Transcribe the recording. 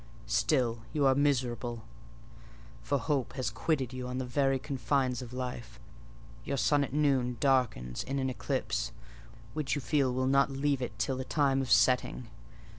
Still you are miserable; for hope has quitted you on the very confines of life: your sun at noon darkens in an eclipse, which you feel will not leave it till the time of setting.